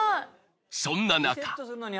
そんな中。